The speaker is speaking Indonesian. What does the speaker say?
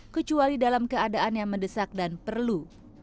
kecuali dalam keadaan yang mendesak dan perlu